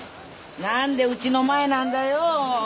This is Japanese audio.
何でうちの前なんだよ。